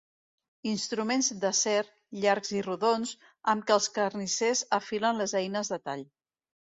Instruments d'acer, llargs i rodons, amb què els carnissers afilen les eines de tall.